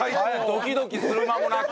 ドキドキする間もなく。